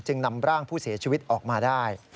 นำร่างผู้เสียชีวิตออกมาได้